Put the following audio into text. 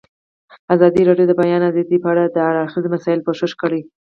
ازادي راډیو د د بیان آزادي په اړه د هر اړخیزو مسایلو پوښښ کړی.